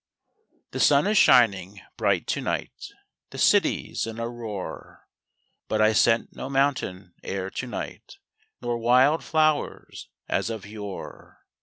The moon is shining bright to night, The city's in a roar; But I scent no mountain air to night Nor wild flowers, as of yore.